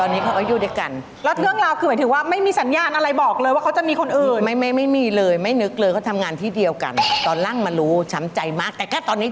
มิดพายูก็มีข้อความทุกอย่างเขามาประกันตอนนั้นเล่นโทรศัพท์ไม่เป็น